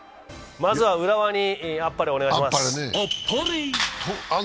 まずは浦和にあっぱれをお願いします。